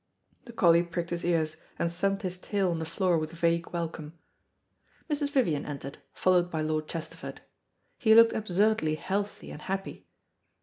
The collie pricked his ears, and thumped his tail on the floor with vague welcome. Mrs. Vivian entered, followed by Lord Chesterford. He looked absurdly healthy and happy.